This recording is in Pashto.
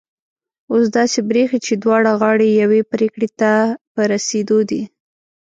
اوس داسي برېښي چي دواړه غاړې یوې پرېکړي ته په رسېدو دي